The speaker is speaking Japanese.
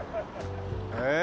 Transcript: ええ？